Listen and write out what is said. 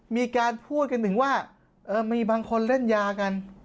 มีการพูดกันถึงว่ามีบางคนเล่นยากัน